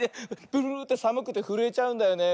ブルブルってさむくてふるえちゃうんだよね。